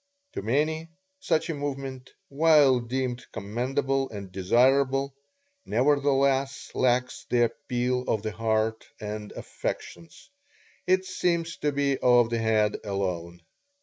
To many, such a movement while deemed commendable and desirable nevertheless lacks the appeal of the heart and affections it seems to be of the head alone.